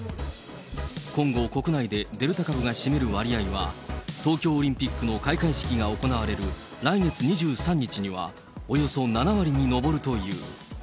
今後、国内でデルタ株が占める割合は、東京オリンピックの開会式が行われる、来月２３日には、およそ７割に上るという。